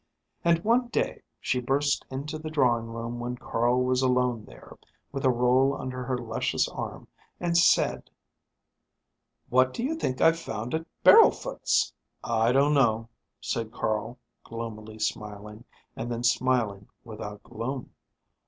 And one day she burst into the drawing room when Carl was alone there, with a roll under her luscious arm, and said: "What do you think I've found at Barrowfoot's?" "I don't know," said Carl, gloomily smiling, and then smiling without gloom.